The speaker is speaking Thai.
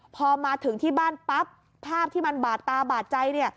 พอมาถึงที่บ้านปั๊บภาพที่มันบาดตาบาดใจเนี่ย